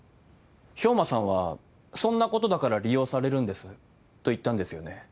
兵馬さんは「そんなことだから利用されるんです」と言ったんですよね？